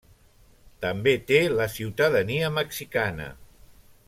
També té la ciutadania mexicana.